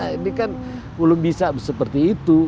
ini kan belum bisa seperti itu